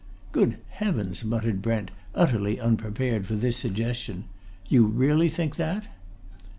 "Good heavens!" muttered Brent, utterly unprepared for this suggestion. "You really think that?"